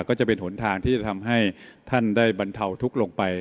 ก็จะเป็นหนทางที่จะทำให้ท่านได้บรรเทาทุกข์ลงไป